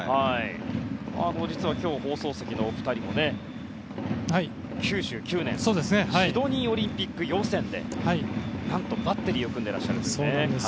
実は、今日放送席のお二人も９９年シドニーオリンピック予選で何とバッテリーを組んでらっしゃるんですよね。